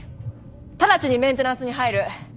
直ちにメンテナンスに入る！